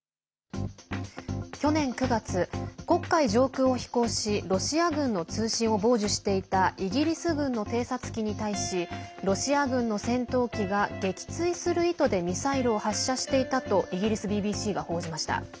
去年９月黒海上空を飛行しロシア軍の通信を傍受していたイギリス軍の偵察機に対しロシア軍の戦闘機が撃墜する意図でミサイルを発射していたとイギリスＢＢＣが報じました。